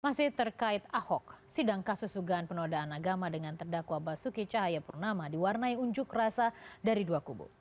masih terkait ahok sidang kasus sugaan penodaan agama dengan terdakwa basuki cahaya purnama diwarnai unjuk rasa dari dua kubu